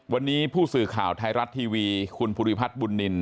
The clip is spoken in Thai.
วันนี้ผู้สื่อข่าวไทยรัฐทีวีคุณภูริพัฒน์บุญนิน